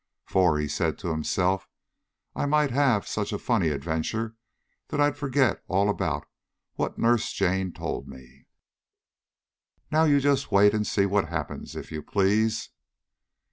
"For," said he to himself, "I might have such a funny adventure that I'd forget all about what Nurse Jane told me." Now you just wait and see what happens, if you please.